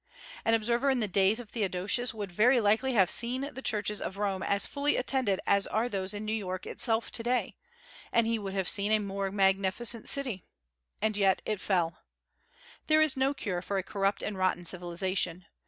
An observer in the days of Theodosius would very likely have seen the churches of Rome as fully attended as are those in New York itself to day; and he would have seen a more magnificent city, and yet it fell. There is no cure for a corrupt and rotten civilization.